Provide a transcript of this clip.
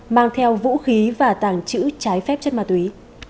mang theo vũ khí và tàng trữ trái phép chất ma túy